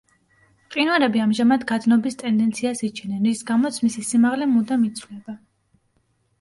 მყინვარები ამჟამად გადნობის ტენდენციას იჩენენ, რის გამოც მისი სიმაღლე მუდამ იცვლება.